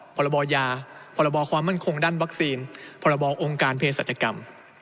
พรบยาพรบความมั่นคงด้านวัคซีนพรบองค์การเพศรัชกรรม